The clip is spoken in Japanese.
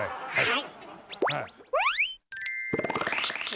はい！